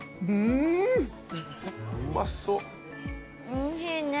おいしいね。